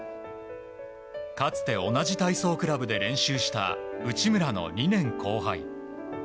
かつて、同じ体操クラブで練習した内村の２年後輩。